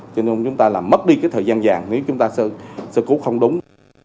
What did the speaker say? cho nên chúng ta là mất đi cái thời gian vàng nếu chúng ta sơ cứu không đúng